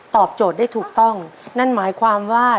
โจทย์ได้ถูกต้องนั่นหมายความว่า